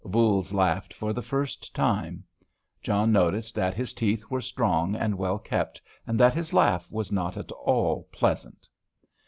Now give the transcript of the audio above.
Voules laughed for the first time. John noticed that his teeth were strong and well kept, and that his laugh was not at all pleasant.